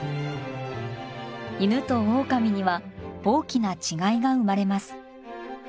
犬とオオカミには大きな違いが生まれます。